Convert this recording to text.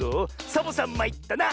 「サボさんまいったな」！